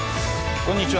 こんにちは。